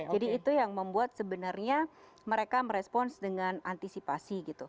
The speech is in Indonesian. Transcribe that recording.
jadi itu yang membuat sebenarnya mereka merespon dengan antisipasi gitu